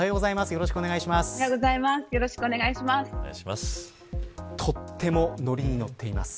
よろしくお願いします。